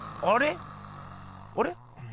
あれ？